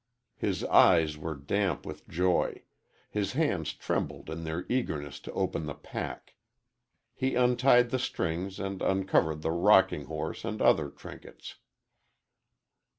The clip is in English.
His eyes were damp with joy; his hands trembled in their eagerness to open the pack. He untied the strings and uncovered the rocking horse and other trinkets.